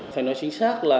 phải nói chính xác là